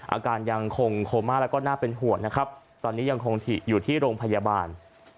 อาการยังคงโคม่าแล้วก็น่าเป็นห่วงนะครับตอนนี้ยังคงอยู่ที่โรงพยาบาล